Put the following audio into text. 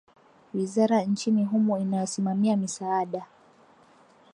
Wizara nchini humo inayosimamia misaada .